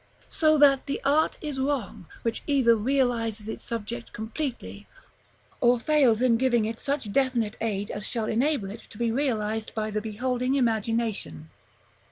So that the art is wrong, which either realizes its subject completely, or fails in giving such definite aid as shall enable it to be realized by the beholding imagination.